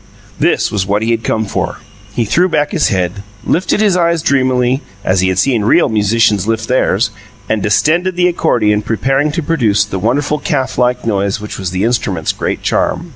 This was what he had come for. He threw back his head, lifted his eyes dreamily, as he had seen real musicians lift theirs, and distended the accordion preparing to produce the wonderful calf like noise which was the instrument's great charm.